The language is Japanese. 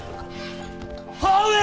母上！